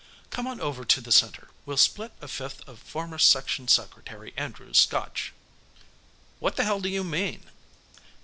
"Come on over to the Center; we'll split a fifth of former Section Secretary Andrews' Scotch." "What the hell do you mean?"